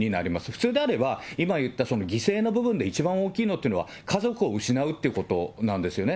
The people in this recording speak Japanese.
普通であれば、今言った犠牲の部分で一番大きいのっていうのは、家族を失うっていうことなんですよね。